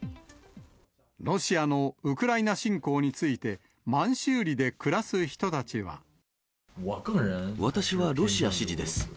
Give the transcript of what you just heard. ロシアのウクライナ侵攻について、私はロシア支持です。